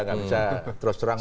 gak bisa terus terang